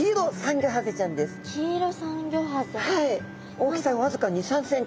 大きさわずか２３ｃｍ。